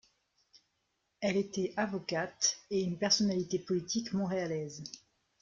Elle était avocate et une personnalité politique montréalaise.